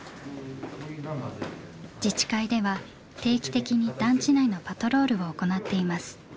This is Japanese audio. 自治会では定期的に団地内のパトロールを行っています。